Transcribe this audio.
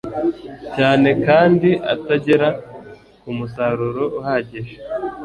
cyane kandi atagera ku musaruro uhagije